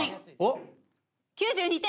９２点。